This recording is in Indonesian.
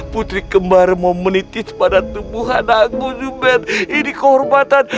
putri kembal menitis pada tubuh anakku zuber ini suatu kehormatan